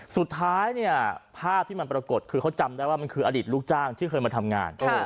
สุดท้ายเนี่ยภาพที่มันปรากฏคือเขาจำได้ว่ามันคืออดีตลูกจ้างที่เคยมาทำงาน